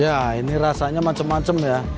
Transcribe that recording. ya ini rasanya macam macam ya